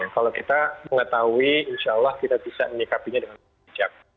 kalau kita mengetahui insya allah kita bisa menyikapinya dengan bijak